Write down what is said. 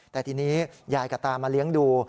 แต่ทีนี้ยายกับตามาเลี้ยงดู